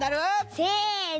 せの。